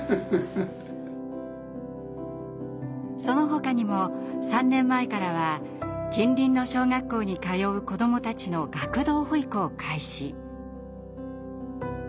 そのほかにも３年前からは近隣の小学校に通う子どもたちの学童保育を開始。